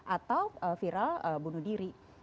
atau viral bunuh diri